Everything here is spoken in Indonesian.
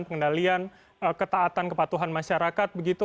pengendalian ketaatan kepatuhan masyarakat